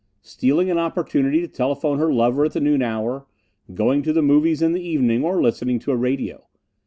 Stealing an opportunity to telephone her lover at the noon hour; going to the movies in the evening, or listening to a radio.